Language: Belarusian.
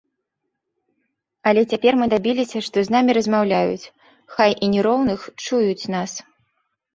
Але цяпер мы дабіліся, што з намі размаўляюць, хай і не роўных, чуюць нас.